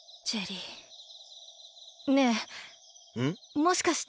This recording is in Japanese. もしかして。